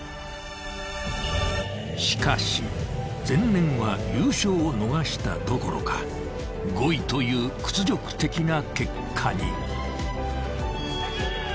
［しかし前年は優勝を逃したどころか５位という屈辱的な結果に］